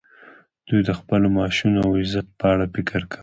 دوی د خپلو معاشونو او عزت په اړه فکر کاوه